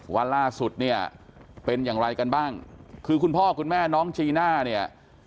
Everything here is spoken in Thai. ว่าล่าสุดเนี่ยเป็นอย่างไรกันบ้างคือคุณพ่อคุณแม่น้องจีน่าเนี่ย